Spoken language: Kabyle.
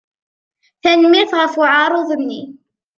Tanemmirt ɣef uεaruḍ-nni.